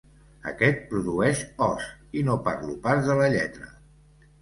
Aquest produeix os, i no parlo pas de la lletra.